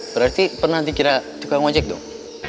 berarti pernah dikira tukang ojek dong